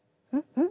うん？